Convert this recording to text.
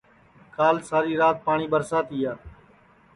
کال ساری رات پاٹؔی ٻرسا تیا